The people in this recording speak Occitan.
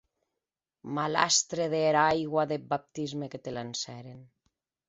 Malastre dera aigua deth baptisme que te lancèren!